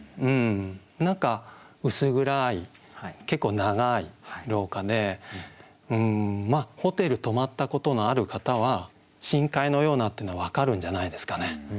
何か薄暗い結構長い廊下でホテル泊まったことのある方は深海のようなってのは分かるんじゃないですかね。